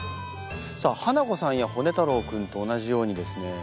さあハナコさんやホネ太郎君と同じようにですね